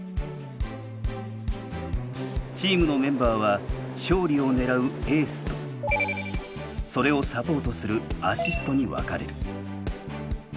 チームのメンバーは勝利を狙う「エース」とそれをサポートする「アシスト」に分かれる。